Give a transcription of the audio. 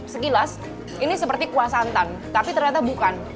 sekilas ini seperti kuah santan tapi ternyata bukan